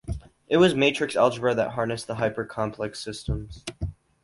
It was matrix algebra that harnessed the hypercomplex systems.